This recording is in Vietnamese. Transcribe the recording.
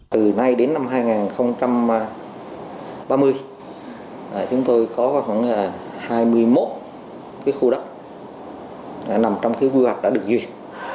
từ nay đến năm hai nghìn ba mươi chúng tôi có khoảng hai mươi một khu đất nằm trong thứ vưu hạt đã được duyệt